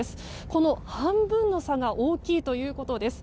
この半分の差が大きいということです。